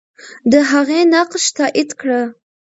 د هغې نقش تایید کړه.